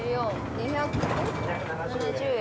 ２７０円。